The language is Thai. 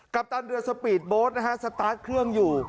ปตันเรือสปีดโบ๊ทนะฮะสตาร์ทเครื่องอยู่